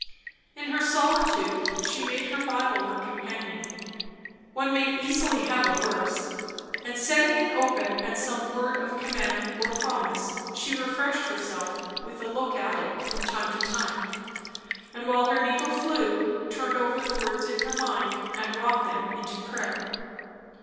In her solitude she made her Bible her companion; one may easily have a worse; and setting it open at some word of command or promise, she refreshed herself with a look at it from time to time, and while her needle flew, turned over the words in her mind and wrought them into prayer.